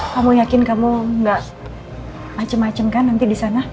kamu yakin kamu gak macem macem kan nanti disana